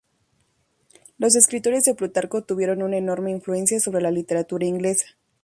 Los escritos de Plutarco tuvieron una enorme influencia sobre la literatura inglesa.